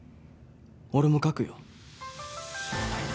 俺も書くよ。